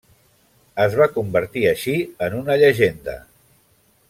Es va convertir així en una llegenda.